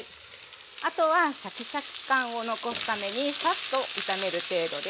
あとはシャキシャキ感を残すためにサッと炒める程度です。